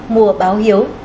mùa báo hiếu